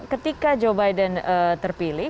ketika joe biden terpilih